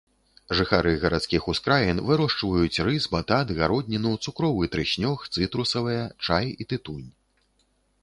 Жыхары гарадскіх ускраін вырошчваюць рыс, батат, гародніну, цукровы трыснёг, цытрусавыя, чай і тытунь.